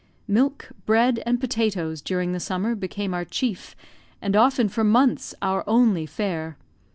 Milk, bread, and potatoes during the summer became our chief, and often for months, our only fare.